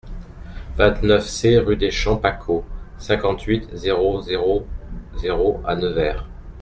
vingt-neuf C rue des Champs Pacaud, cinquante-huit, zéro zéro zéro à Nevers